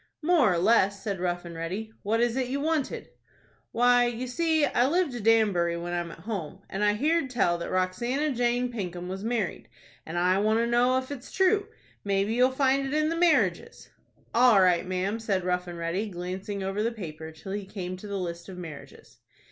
"More or less," said Rough and Ready. "What is it you wanted?" "Why, you see I live to Danbury when I'm at home, and I heerd tell that Roxanna Jane Pinkham was married, and I want to know ef it's true. Maybe you'll find it in the marriages." "All right, ma'am," said Rough and Ready, glancing over the paper till he came to the list of marriages.